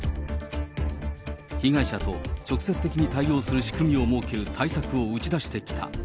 被害者と直接的に対応する仕組みを設ける対策を打ち出してきた。